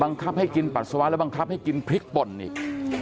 ให้กินปัสสาวะแล้วบังคับให้กินพริกป่นอีก